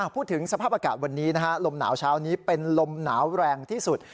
พูดถึงสภาพอากาศวันนี้นะฮะลมหนาวเช้านี้เป็นลมหนาวแรงที่สุด